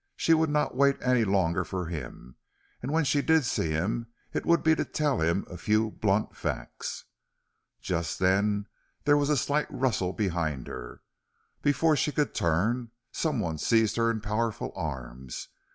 She would not wait any longer for him, and when she did see him it would be to tell him a few blunt facts. Just then there was a slight rustle behind her. Before she could turn someone seized her in powerful arms.